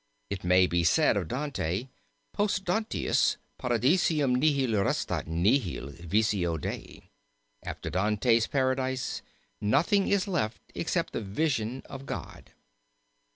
It may be said of Dante, 'Post Dantis Paradisum nihil restat nisi visio Dei,' After Dante's Paradise nothing is left except the vision of God."